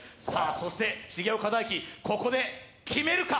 そして重岡大毅、ここで決めるか。